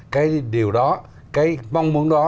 cái điều đó cái mong muốn đó